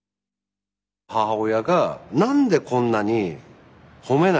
母親が何でこんなに褒めないのかなって。